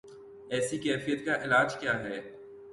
ایسی کیفیت کا علاج کیا ہے؟